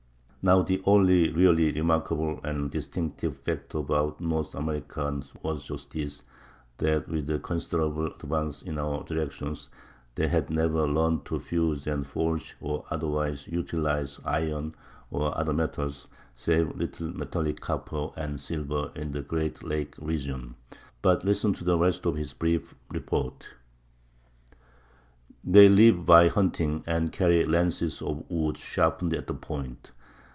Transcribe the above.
Now the one really remarkable and distinctive fact about the North Americans was just this,—that with a considerable advance in other directions, they had never learned to fuse and forge or otherwise utilize iron or other metals, save a little metallic copper and silver in the Great Lakes region. But listen to the rest of his brief report: They live by hunting, and carry lances of wood sharpened at the point.